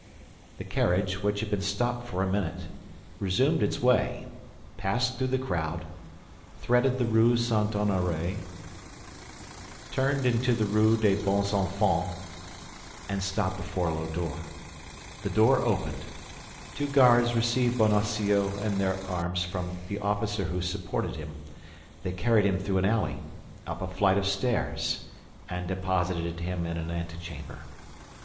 The carriage, which had been stopped for a minute, resumed its way, passed through the crowd, threaded the Rue St. Honoré, turned into the Rue des Bons Enfants, and stopped before a low door. The door opened; two guards received Bonacieux in their arms from the officer who supported him. They carried him through an alley, up a flight of stairs, and deposited him in an antechamber.